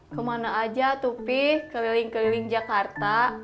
kemana aja tupi keliling keliling jakarta